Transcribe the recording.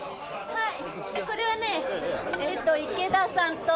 はいこれはね池田さんと。